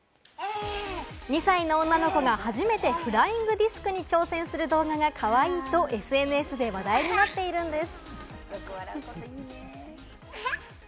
２歳の女の子が初めてフライングディスクに挑戦する動画がかわいいとＳＮＳで話題になっているんです。